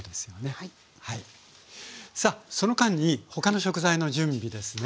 さあその間に他の食材の準備ですね。